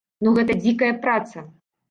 Ну гэта дзікая праца.